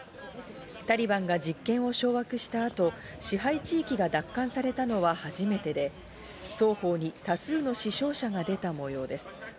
タリバンが実権を掌握した後、支配地域が奪還されたのは初めてで、双方に多数の死傷者が出たもようです。